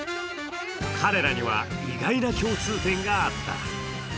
彼らには、意外な共通点があった。